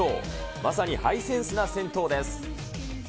まさにハイセンスな銭湯です。